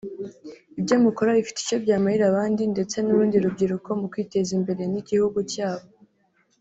Ibyo mukora bifite icyo byamarira abandi ndetse n’urundi rubyiruko mu kwiteza imbere n’igihugu cyabo